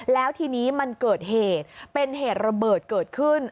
แล้วทีนี้มันเกิดเหตุเป็นเหตุระเบิดเกิดขึ้น